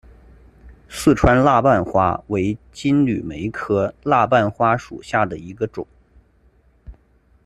四川蜡瓣花为金缕梅科蜡瓣花属下的一个种。